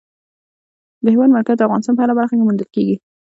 د هېواد مرکز د افغانستان په هره برخه کې موندل کېږي.